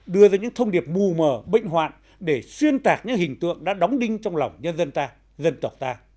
đưa ra những thông điệp mù mờ bệnh hoạn để xuyên tạc những hình tượng đã đóng đinh trong lòng nhân dân ta dân tộc ta